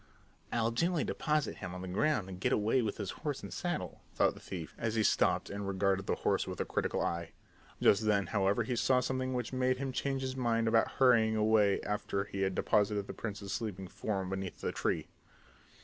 "I'll gently deposit him on the ground and get away with his horse and saddle," thought the thief, as he stopped and regarded the horse with a critical eye. Just then, however, he saw something which made him change his mind about hurrying away after he had deposited the prince's sleeping form beneath a tree.